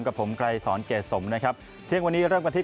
กับผมไกลสรเกษมโดมน้าครับเที่ยงวันนี้เริ่มมาที่